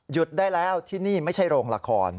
ได้แล้วที่นี่ไม่ใช่โรงละคร